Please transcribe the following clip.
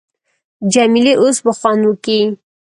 جمیلې اوس به خوند وکي.